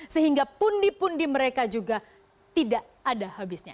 sehingga pundi pundi mereka juga tidak ada habisnya